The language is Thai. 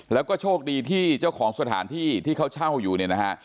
แล้วก็โชคดีที่เจ้าของสถานที่ที่เขาเช่าอยู่เนี่ยนะฮะ